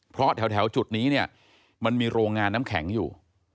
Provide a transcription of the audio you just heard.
เพราะแถวจุดนี้เนี่ยมันมีโรงงานน้ำแข็งอยู่